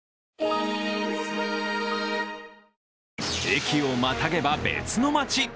駅をまたげば別の街。